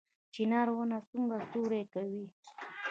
چنار ونه څومره سیوری کوي؟